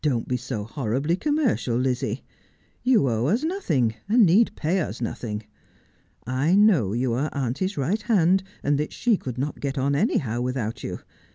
237 ' Don't be so horribly commercial, Lizzie. You owe us nothing, and need pay us nothing. I know you are auntie's right hand, and that she could not get on anyhow without you.